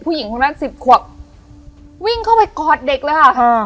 ผู้หญิงคนนั้นสิบขวบวิ่งเข้าไปกอดเด็กเลยค่ะ